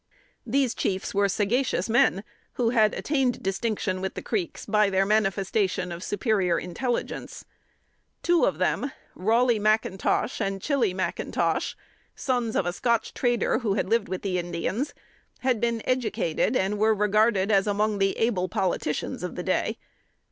These chiefs were sagacious men, who had attained distinction with the Creeks by their manifestation of superior intelligence. Two of them, Rolley McIntosh and Chilley McIntosh, sons of a Scotch trader who lived with the Indians, had been educated, and were regarded as among the able politicians of the day.